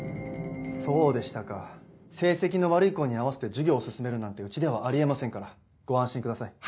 そうでしたか成績の悪い子に合わせて授業を進めるなんてうちではあり得ませんからご安心ください。